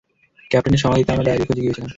ক্যাপ্টেনের সমাধিতে আমরা ডায়েরির খোঁজে গিয়েছিলাম।